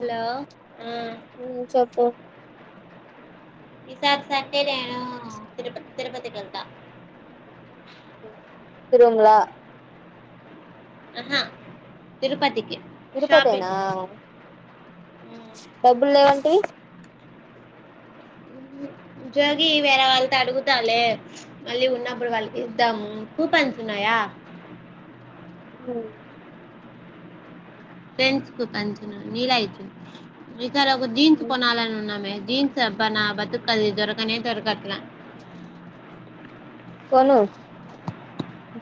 Hello ఆ హు చెప్పు ఈసారి సాటర్డే తిరుపతి తిరుపతికి ఎల్తా తిరూగుల ఆహా తిరుపతికి షాపింగ్ తిరుపతినే హ్మ్. డబ్బులు లేవంటివి జోగి వేరే వాళ్ళతో అడుగుతాలే మళ్ళీ ఉన్నప్పుడు వాళ్ళకి ఇద్దాము కూపన్స్ ఉన్నాయా, హు ఫ్రెండ్స్ కు అంచనా నీలా ఇచ్చింది ఇసారి ఒక జీన్స్ కొనాలని ఉన్నామే జీన్స్ అబ్బా నా బతుకు అది దొరకనేే దోరకట్లే కొను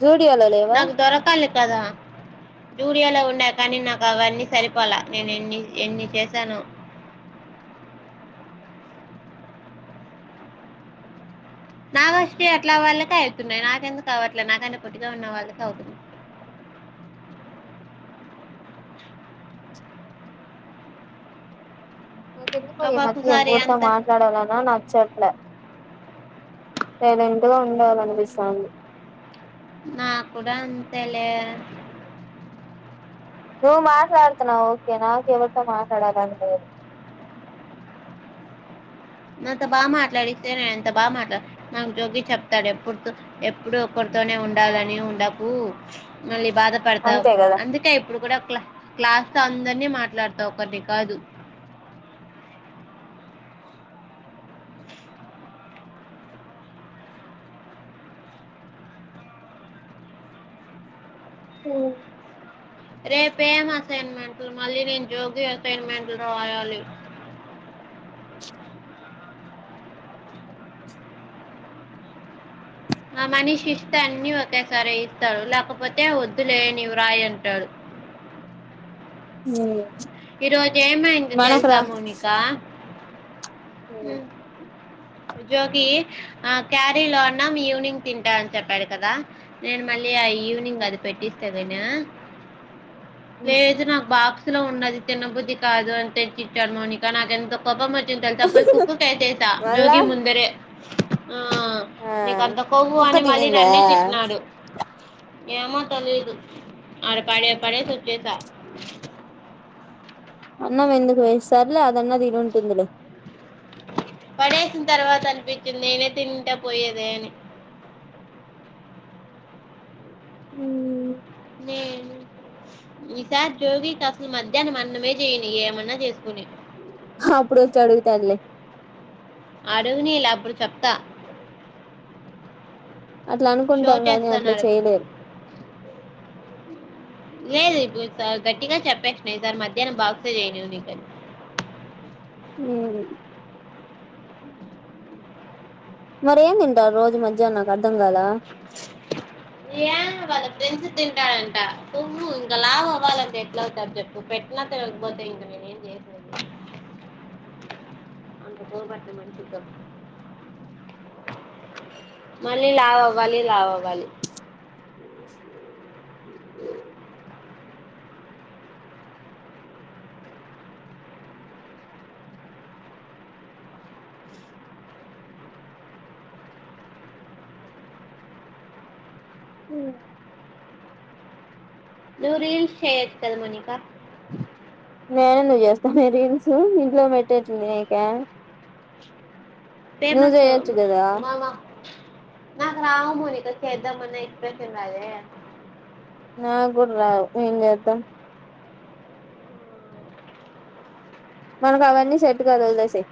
జూడియోలో లేవా నాకు దొరకాలి కదా జూడియాలో ఉండ కానీ నాకు అవన్నీ సరిపోలే నేను ఎన్ని ఎన్ని చేసానో నాగశ్రీ అట్లా వాళ్ళకే వెళ్తున్నాయి నాకెందుకు అవట్లే నాకంటే పొట్టిగా ఉన్న వాళ్లకె అవుతున్నా, నాకు ఎందుకో ఈ మధ్య ఒక్కొక్కసారి ఎవరితో అంత మాట్లాడాలన్నా నచ్చట్లే లేదంటే ఉండాలనిపిస్తోంది నా కూడా అంతలె నువ్వు మాట్లాడుతున్నావ్ ఓకే నాకు ఎవరితో మాట్లాడాలని లేదు నాంత బాగా మాట్లాడిస్తే నేను ఇంత బాగా మాట్లా నాకు జోగి చెప్తాడు ఎప్పుడు ఎప్పుడు ఒకరితోనే ఉండాలని ఉండకు మళ్ళీ, బాధపడతావు అంతే కదా అందుకే ఇప్పుడు కూడా కా క్లాస్ అందరినీ మాట్లాడతా ఒకటి కాదు హు రేప ఏం అసైన్మెంట్లు మళ్ళీ నేను జోగి అసైన్మెంట్లు రాయాలి, ఆ మనీషి ఇస్తే అన్ని ఒకేసారి ఇస్తాడు లేకపోతే వద్దులే నీవి రాయి అంటాడు, హు ఈరోజు ఏమయింది తెలుసా మౌనిక హు జోగి ఆ క్యారీ లో అన్నం ఈవినింగ్ తింటాని చెప్పాడు కదా నేను మళ్ళీ ఆ ఈవినింగ్ అది పెట్టిస్త సరేనా లేదనాకు బాక్స్ లో ఉన్నది తిన్న బుద్ధది కాదు అని తెచ్చాడు మౌనిక నాకు ఎంత కోపం వచ్చిది తె కుక్కకి వేసేస మళ్ళా జోగి ముందేరే ఆ ఆ నీకు అంత కొవ్వు కుక్క అని మళ్ళీ తినిందా నన్నే తిట్టినాడు ఏమో తేలేదు ఆడపాడేసి వచ్చేశా అన్నమెందుకు సర్లే అద అన్న తిినంటందిలే పడేసం తర్వాత అనిపించింది నేనె తినింటె పోయదేని నేను ఈసారి జోగికి అసలు మధ్యాహ్నం అన్నమే చేయని ఏమన్నా చేసుకుని అప్పుడొచ్చి అడుగుతాడులే అడుగునేలే అప్పుడు చెప్తా అట్లా షో అనుకుంటాం కానీ అట్లా చేస్తున్నాడు చేయలేరు లేదు ఇప్పుడు స గట్టిగా చెప్పేచ్చినయి సార్ మధ్యాహ్నం బాక్సే చేయనివు నీకని ఉ మరేం తింటావ్ రోజు మధ్యానం ఎమో గాలే ఫ్రెంచ్ తింటారంట కోవ్వు ఇంకా లావ అవ్వాలంటే ఎట్ల అవుతారు చెప్పు పెట్టిన తినకపోతే ఇంక నేను ఏం చేసేది అంత కొవ్వు బట్టిన మనిషిమళ్లీ లావు అవ లావు అవ్వాలి లావు అవ్వాలి హు ననువ్వు రీల్స్ చెయ్యొచ్చు కదా మౌనిక నేనే ఎందుకు చేస్తానే రీల్స్ ఇట్లో మేట్టట్లేలేక ఫేమస్ ఆవు కదా వల్ల నాకు రావు మౌనిక చేద్దామన్న ఎక్స్ప్రెషన్ రాదే నా గూడ రావు మేం చేద్దాం మనకు అవన్నీ సెట్ కాదు వదిలేసేయ్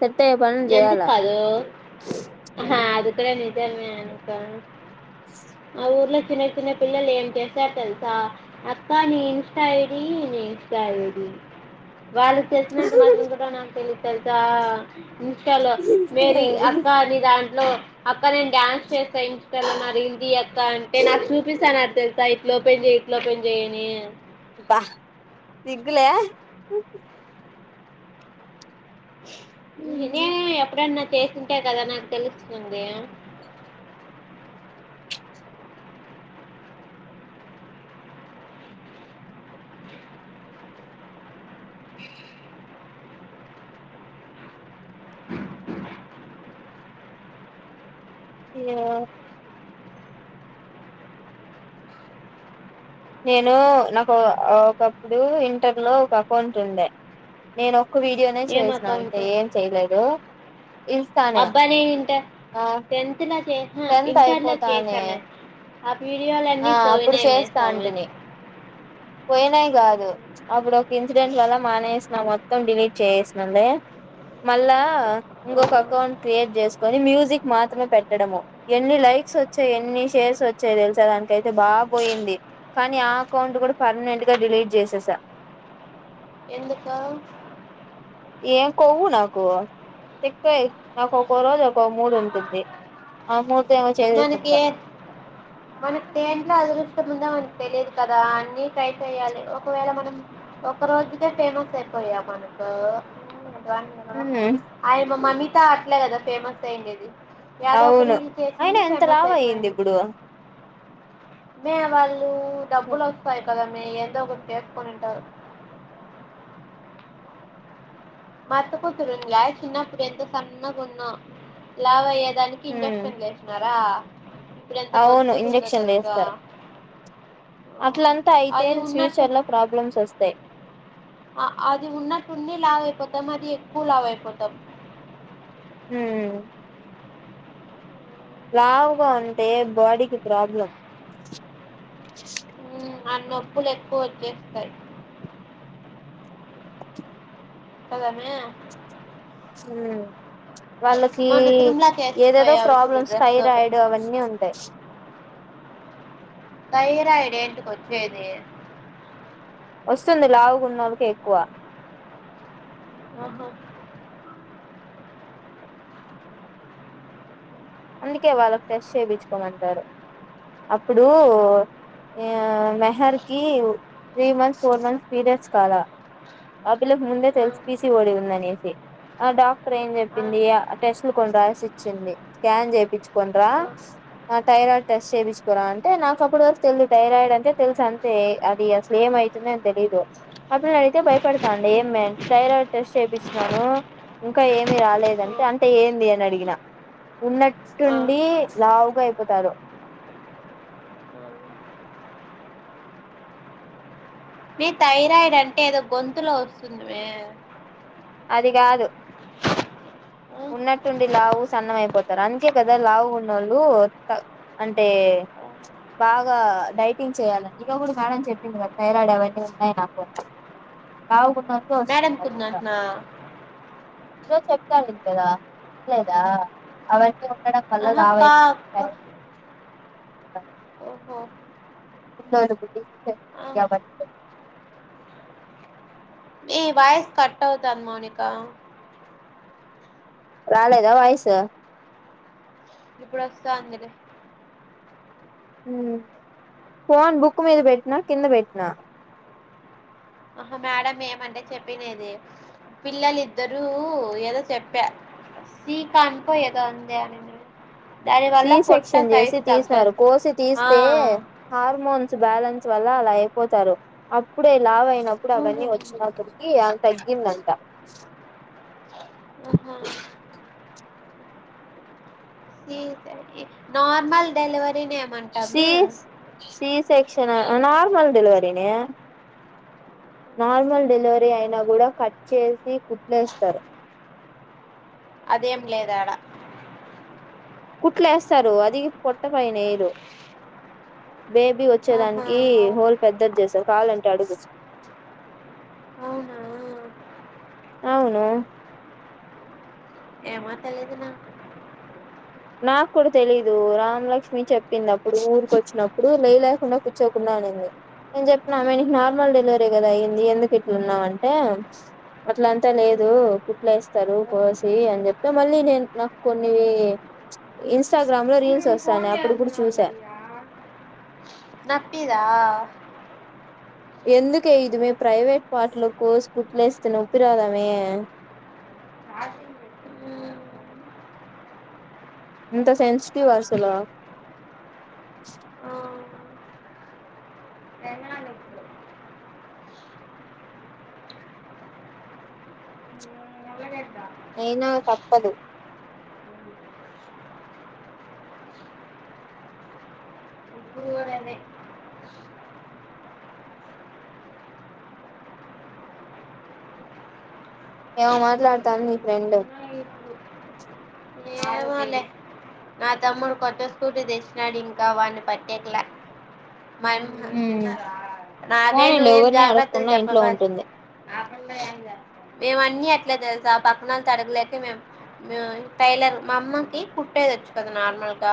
సెట్ అయ్యే పనులు ఎందుకు చేయాలా కాదు అహ క నిజమే మౌనిక ఆ ఊర్లో చిన్న చిన్న పిల్లలు ఏం చేస్తారు తెలుసా అక్క నీ ఇన్స్టా ఐడి నీ ఇన్స్టా ఐడి వాళ్ళు తెలిసినంత మాత్రం కూడా నాకు తెలుసు తెలుసా ఇన్స్టాలో మేరి అక్క నీ దాంట్లో ఇంట్లో అక్క నేను డ్యాన్స్ చేస్తే ఇంతలో నా రింగియక్క అంటే నాకు చూపిస్తఅని అత్తది సైట్లో ఓపెన్ చేయి ఇట్ల ఓపెన్ చేయి అని బ్బా సిగ్గులే నే ఎప్పుడన్నా చేసుంటే కద నాకు తెలుస్తుంది ఏ నేను నాకు ఒకప్పుడు ఇంటర్ లో ఒక అకౌంట్ ఉండే నేను ఒ ఒక వీడియోనే ఏం చేసిన అంతే అకౌంట్ ఏం చేయలేదు ఇన్స్ట్రానే అబ్బా ఈ ఇంత నెగ్లెట్ చేసా మిస్ ఆ ఆ వీడియోలన్నీ అప్పుడు పోయినయి మిస్ చేస్తా కావ్ ఉన్నయి కాదు అప్పుడు ఒక ఇన్సిడెంట్ వల్ల మానేసినం మొత్తం డిలీట్ చేసుండే మళ్ళా హ్మ్. ఇంకొక అకౌంట్ క్రియేట్ చేసుకో ఈ మ్యూజిక్ మాత్రమే పెట్టడము ఎన్ని లైక్స్ ఒచ్చయి ఎన్ని షేర్స్ ఒచ్చయి తెలుసా దానికైతే బాగ్ పోయింది కానీ ఆ అకౌంట్ కూడా పర్మనెంట్ గా డిలీట్ చేసేసా ఎందుక ఏం కొవ్వు నాకు తిక్కే నాకు ఒకో రోజు ఒకో మూడు ఉంటుంది ఆ మూడు మనకి ఏ మనకి దేంట్లో అదృ ష్టం ముందే మనకు తెలియదు కదా అన్ని ట్రై చెయాలి ఒకవేళ మనం ఒక రోజుకె ఫేమస్ అయిపోయామనకో ఆయమ్మ మమ్మి ఇంకా అట్లే కదా ఫేమస్ అయిండేది యాదాపురి అవును శేశ్ అయినా ఇంత లావు అయింది ఇప్పుడు మే మ్ వాళ్ ఈ డబ్బులు ఓస్తాయి కదా ఏదో ఒకటి చేసుకుని ఉంటారు మా అత్త కూతురుంది అయ చిన్నప్పుడుఎంత సన్నగుందో లావయ దానికి ఇంజక్షన్ వేసినారా ఇప్పుడు ఎంత అవును బొద్దుగుందో తెలుసా ఆ, అట్లంత అయితే అది ఉన్నట్టు ఫ్యూచర్ లో ప్రాబ్లమ్స్ ఒస్తాయి ఆ అది ఉన్నట్టుండి లావ్ అయిపోతం అది ఎక్కువ లావ్ అయిపోతం ఉమ్ లావుగా ఉంటే బాడీకి ప్రాబ్లం ఉమ్, ఆ నొప్పులు ఎక్కువొచ్చేస్తాయి కదనేే వాళ్ళకి మొన్న తిరుమలకి ఏదేదో వేసిపోయావు చూడు ప్రాబ్లమ్స్ డ్రెస్ ఒకటి థైరాయిడ్ అవన్నీ ఉంటాయి థైరయిడ్ ఏంటి కొ వచ్చేది వస్తుంది లావుకున్నళకి ఎక్కువ ఆహ అందుకే వాళ్ళకి టెస్ట్ చేయించుకోమంటారు అప్పుడు ఆ మెహర్ కి three months four months periods కాలా ఆ పిల్లకు ముందే ఆ, తెలుసు పీసిఓడి ఉందనేసి ఆ డాక్టర్ ఏం ఆ, చెప్పింది టెస్ట్లు కొన రాసిచ్చింది స్కాన్ చేయించుకునరా ఆ, ఆ థైరాయిడ్ టెస్ట్ చేయించుకురా అంటే నాకు అప్పుడు వరకు తెలీదు థైరాయిడ్ అంటే తెలుసు అంతే అది అసలు ఏమవుతుంద అని తెలీదు అప్పుడు అడిగితే బాయ పెడతాండి ఉమ్, ఏమి అంటే థైరాయిడ్ టెస్ట్ చేయించినాను ఇంకా ఏమి రాలేదంటే అంటే ఆ, ఏంది అని అడిగినా ఆ. ఉన్నట్టుండి లావుగా అయిపోతారు మీ థైరాయిడ్ అంటే ఏదో గొంతులో వస్తుంది. మే అది కాదు ఉన్నట్ ఉండి లావు స న్న అయిపోతారు అందుకే కదా లావు ఉన్న వాళ్ళు అంటే బాగా డైటింగ్ చేయాలని ఇకా కూడా కాడని చెప్పింది కదా థైరాయిడ్ అవన్నీ ఉన్నాయి నాకు వు మేడం కుందట్నా ఇంట్లో చెప్పాలి కదా లేదా అవన్నీ ఉండడం వల్ల ఆహా లావు కా అయిపోయింది థైరాయిడ్ ఓ ఎన్నరు బుద్ధ [inaudible] నీ వాయిస్ కట్ అవుతంది మౌనిక రాలేదా వాయిసు ఇప్పుడు వస్తంది లె ఉమ్ ఫోన్ బుక్ మీద పెట్టినా కింద పెట్టినా ఆహా మేడం ఏమంటే చెప్పినది, పిల్లలి ఇద్దరూ ఏదో చెప్పా, సీకా అనుకో ఏదో అంది ఆమే సి సెక్షన్ చేసి తీసినారు కోసి ఆ తీస్తే హార్మోన్ బ్యాలెన్స్ వల్ల అలా అయిపోతారు అప్పుడే లావయి ప్పుడు అవన్నీ అవునవును వచ్చినప్పటికి అవి తగ్గిందట ఆహా సీ నార్మల్ డెలివరి నేనేమంట సి అమ్మి సి సెక్షను నార్మల్ డెలివరీనే నార్మల్ డెలివరీ అయినా కూడా కట్ చేసి కుట్లేస్తారు అదేం లేదాడా కుట్లేస్తారు అది పొట్టపైన ఏయరు బేబీ ఆహా వచ్చేదానికి అవు- హోల్ పెద్దది చేసారు కావాలంటే అడుగు అవున అవును ఏమో తెలీదు నాకు నాకు కూడా తెలీదు రామలక్ష్మి చెప్పింది. అప్పుడు ఊరిక వచ్చినప్పుడు లే లేకుండా కూర్చోకుండా అంది. నేను చెప్పిన ఆమెకు నార్మల్ డెలివరీ కదా అయ్యింది ఎందుకు ఇట్లున్నావంటే, అట్ల అంతా లేదు కుట్లా వేస్తారు ఉమ్, కోసి అని చెప్తే మళ్ళీ నేను నాకు కొన్ని ఇన్స్టాగ్రామ్ లో రీల్స్ వస్ పో నప్పిదా ఎందుకే ఇది మే, ప్రైవేట్ పార్టలో కోర్స్ కుట్లేస్తే నొప్పి రాదామే ఛార్జింగ్ పెట్టు ఇంత సెన్సిటివ్ అసలు తినాలి ఇప్పుడు ఉమ్, చేద్దాం. అయినా తప్పదు ఇప్పుడు కూడా అదే ఏమో మాట్లాడతాను నీ ఫ్రెండ్ ఏమోలే నా తమ్ముడు కొత్త స్కూటీ తెచ్చినాడు ఇంకా వాన్నీ పట్టేకలా మన్నారు నాకే పోనీలే నువ్వేం ఎవరిని జాగ్రత్తలు అడగకుండా ఇంట్లో చెప్పమాకు ఉంటుంది మేము అన్నీ అట్లా తెలుసా, ఆ పక్కనలు తడగలేక మేము మేము టైలర్ మా అమ్మకి కుట్టేదొచ్చు తది నార్మల్ గా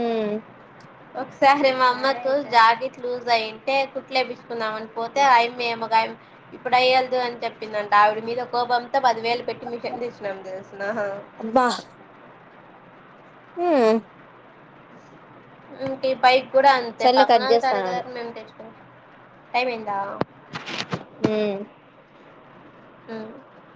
ఉమ్ ఒకసారి మా అమ్మతో జాకెట్ లూజ్ అయింటే కుట్లేయించుకుందం అని పోతే అ యమ్మీ ఏమో ఇప్పుడు అయ్యలేదు అని చెప్పిందంట ఆవిడ మీద కోపంతో పదివేలు పెట్టి మిషన్ తీసినాం తెలుస్ ఆహా హు ఇంటి పై కూడా అంతే సర్లే కట్ పక్కనలు చేస్తాను తరగర ఆగు అంటే టైం ఎందా హ అ